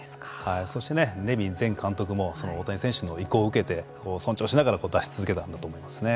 そしてネビン前監督もその大谷選手の意向を受けて尊重しながら出し続けたんだと思いますね。